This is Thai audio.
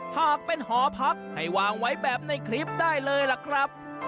หากเป็นหอพักให้วางไว้แบบในคลิปได้เลยล่ะครับ